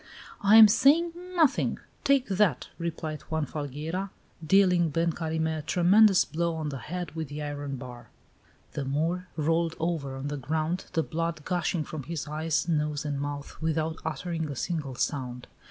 "I am saying nothing. Take that!" replied Juan Falgueira, dealing Ben Carime a tremendous blow on the head with the iron bar. The Moor rolled over on the ground, the blood gushing from his eyes, nose, and mouth, without uttering a single sound.